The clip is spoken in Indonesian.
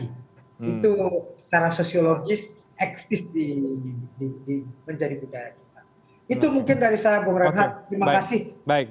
itu secara sosiologis eksis menjadi budaya kita itu mungkin dari saya bung rehat terima kasih